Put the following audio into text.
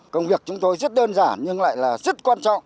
công việc chúng tôi rất đơn giản nhưng lại là rất quan trọng